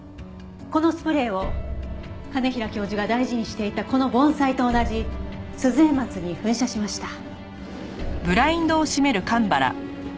このスプレーを兼平教授が大事にしていたこの盆栽と同じスズエマツに噴射しました。